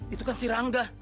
itu kan si rangga